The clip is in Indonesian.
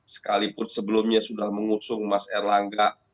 sekalipun sebelumnya sudah mengusung mas erlangga